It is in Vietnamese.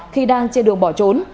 khi đang trên đường bỏ trốn